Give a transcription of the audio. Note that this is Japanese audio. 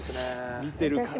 見てるからな。